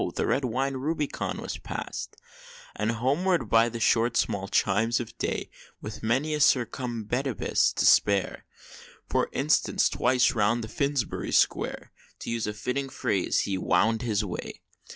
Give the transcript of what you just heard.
the red wine Ruby con was pass'd! And homeward, by the short small chimes of day, With many a circumbendibus to spare, For instance, twice round Finsbury Square, To use a fitting phrase, he wound his way.